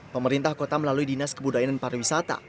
pemerintah kota melalui dinas kebudayaan dan pariwisata